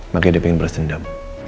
makanya dia pengen beres dendam